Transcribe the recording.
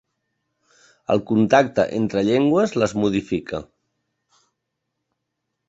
El contacte entre llengües les modifica.